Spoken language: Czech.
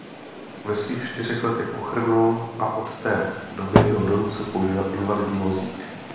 Ve svých čtyřech letech ochrnul a od té doby byl donucen používat invalidní vozík.